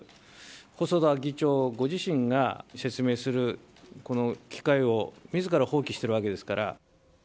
細田議長ご自身が説明する機会をみずから放棄しているわけですから。